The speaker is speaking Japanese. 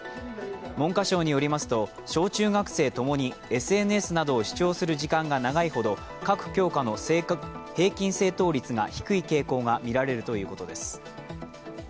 文科省によりますと小中学生ともにＳＮＳなどを視聴する時間が長いほど各教科の平均正答率が低い傾向がみられるということです。